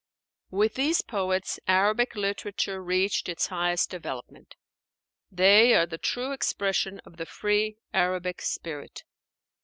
With these poets Arabic literature reached its highest development. They are the true expression of the free Arabic spirit.